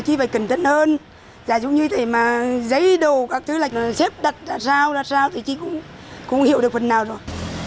chị phải cẩn thận hơn giấy đồ các thứ là xếp đặt ra sao ra sao thì chị cũng hiểu được phần nào rồi